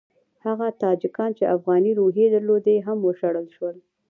هغه تاجکان چې افغاني روحیې درلودې هم وشړل شول.